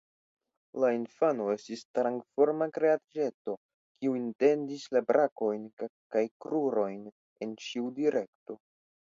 La infano estis strangforma kreaĵeto, kiu etendis la brakojn kaj krurojn en ĉiu direkto.